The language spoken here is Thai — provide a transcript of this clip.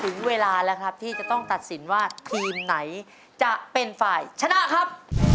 ถึงเวลาแล้วครับที่จะต้องตัดสินว่าทีมไหนจะเป็นฝ่ายชนะครับ